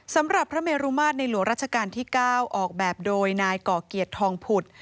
สำหรับพระเมรุมาตรในหลวงราชการที่๙ออกแบบโดยนายก่อเกียรติทองผุด